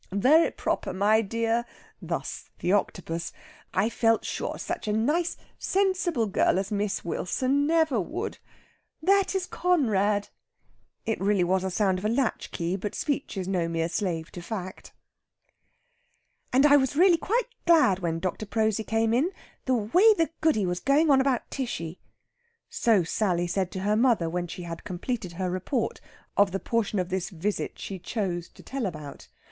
"Very proper, my dear." Thus the Octopus. "I felt sure such a nice, sensible girl as Miss Wilson never would. That is Conrad." It really was a sound of a latch key, but speech is no mere slave to fact. "And I was really quite glad when Dr. Prosy came in the way the Goody was going on about Tishy!" So Sally said to her mother when she had completed her report of the portion of this visit she chose to tell about.